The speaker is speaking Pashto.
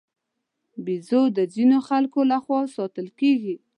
بیزو د ځینو خلکو له خوا ساتل کېږي.